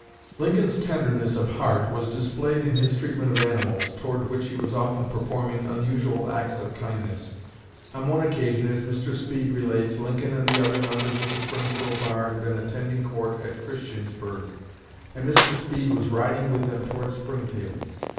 Lincoln's tenderness of heart was displayed in his treatment of animals, toward which he was often performing unusual acts of kindness. On one occasion, as Mr. Speed relates, Lincoln and the other members of the Springfield bar had been attending court at Christiansburg, and Mr. Speed was riding with them toward Springfield.